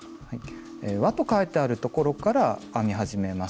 「わ」と書いてあるところから編み始めます。